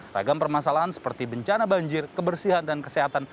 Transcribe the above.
ragam permasalahan seperti bencana banjir kebersihan dan kesehatan